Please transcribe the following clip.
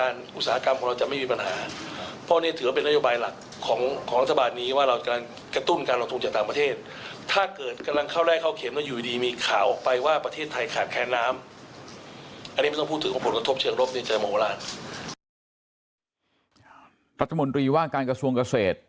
รัฐมนตรีว่าการกระทรวงเกษตร